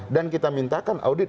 dan kita mintakan audit